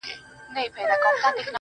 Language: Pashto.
هله به مړ سمه چي ستا له سينکي خاله وځم,